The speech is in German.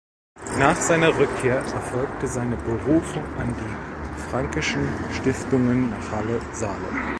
Nach seiner Rückkehr erfolgte seine Berufung an die Franckeschen Stiftungen nach Halle (Saale).